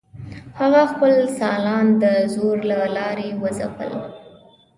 هغه خپل سیالان د زور له لارې وځپل.